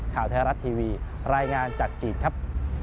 ข่าวไทยรัฐทีวีรายงานจากจีนครับ